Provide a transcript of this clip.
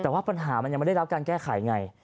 มันยังไม่ได้รับการแก้ไขยังไง